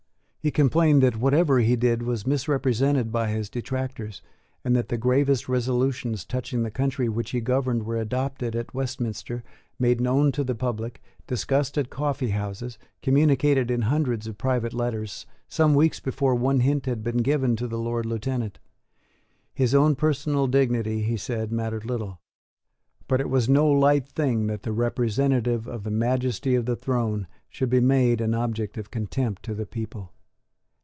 He complained that whatever he did was misrepresented by his detractors, and that the gravest resolutions touching the country which he governed were adopted at Westminster, made known to the public, discussed at coffee houses, communicated in hundreds of private letters, some weeks before one hint had been given to the Lord Lieutenant. His own personal dignity, he said, mattered little: but it was no light thing that the representative of the majesty of the throne should be made an object of contempt to the people.